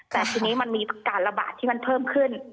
แต่ทีนี้มันมีการระบาดที่มันเพิ่มขึ้น